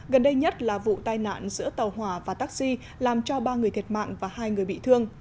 gần đây nhất là vụ tai nạn giữa tàu hỏa và taxi làm cho ba người thiệt mạng và hai người bị thương